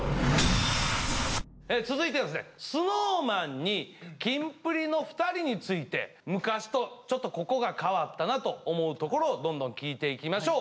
続いてはですねＳｎｏｗＭａｎにキンプリの２人について昔とちょっとここが変わったなと思うところをどんどん聞いていきましょう。